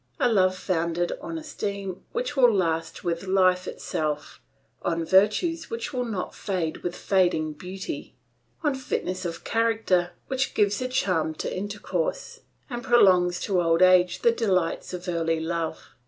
A love founded on esteem which will last with life itself, on virtues which will not fade with fading beauty, on fitness of character which gives a charm to intercourse, and prolongs to old age the delights of early love.